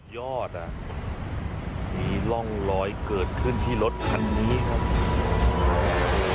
ยอดมีร่องรอยเกิดขึ้นที่รถคันนี้ครับ